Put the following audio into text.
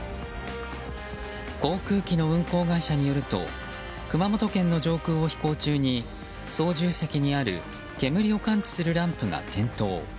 航空機の運航会社によると熊本県の上空を飛行中に操縦席にある煙を感知するランプが点灯。